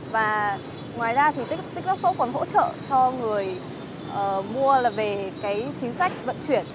và ngoài ra thì tiktok shop còn hỗ trợ cho người mua là về cái chính sách vận chuyển